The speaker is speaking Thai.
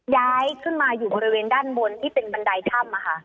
ย้ายขึ้นมาอยู่บริเวณด้านบนที่เป็นบันไดถ้ำ